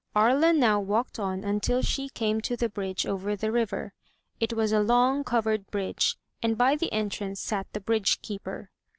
Aria now walked on until she came to the bridge over the river. It was a long, covered bridge, and by the entrance sat the bridgekeeper.